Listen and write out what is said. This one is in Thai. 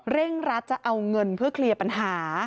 เร่งรัดจะเอาเงินเพื่อเคลียร์ปัญหา